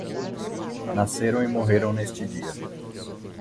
Nasceram e morreram neste dia